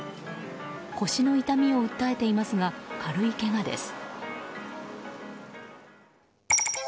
腰の痛みを訴えていますが軽いけがです。